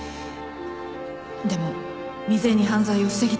でも未然に犯罪を防ぎたい